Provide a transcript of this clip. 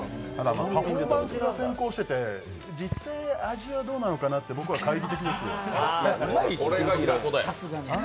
パフォーマンスが先行しすぎて実際味がどうなのか僕は懐疑的ですよ。